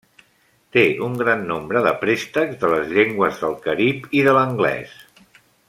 Té un gran nombre de préstecs de les llengües del Carib i de l'anglès.